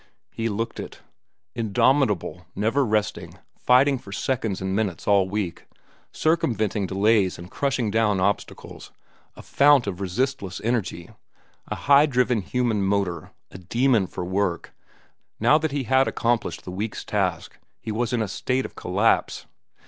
He looked it. Indomitable, never resting, fighting for seconds and minutes all week, circumventing delays and crushing down obstacles, a fount of resistless energy, a high driven human motor, a demon for work, now that he had accomplished the week's task he was in a state of collapse.